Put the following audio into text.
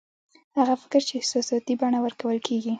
هغه فکر چې احساساتي بڼه ورکول کېږي